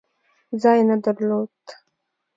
ځای نه درلود.